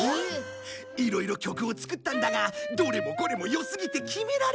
いろいろ曲を作ったんだがどれもこれも良すぎて決められねえんだ。